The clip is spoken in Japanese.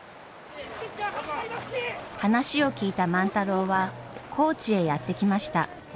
話を聞いた万太郎は高知へやって来ました。